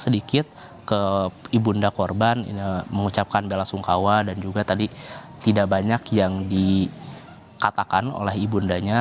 sedikit ke ibu unda korban mengucapkan bela sungkawa dan juga tadi tidak banyak yang dikatakan oleh ibu undanya